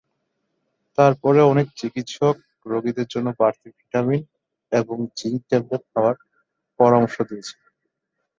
তারপরেও অনেক চিকিৎসক রোগীদের জন্য বাড়তি ভিটামিন এবং জিংক ট্যাবলেট খাওয়ার পরামর্শ দিচ্ছেন।